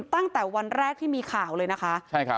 ตั้งแต่วันแรกที่มีข่าวเลยนะคะ